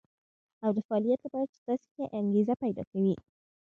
او د فعاليت لپاره څه تاسې کې انګېزه پيدا کوي.